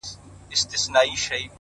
نو زنده گي څه كوي،